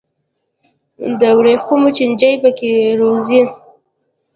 د ورېښمو چینجي پکې روزي.